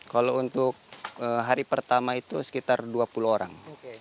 kalau untuk hari pertama itu sekitar dua puluh orang